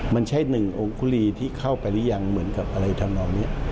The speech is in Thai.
มันใช่หนึ่งองคุรีที่เข้าไปหรือยังเหมือนกับอะไรทำเหล่านี้